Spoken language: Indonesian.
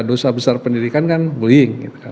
tiga dosa besar pendidikan kan bullying gitu kan